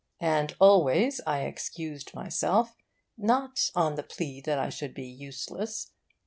And always I excused myself not on the plea that I should be useless.